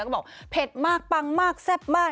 ก็บอกเผ็ดมากปังมากแซ่บมาก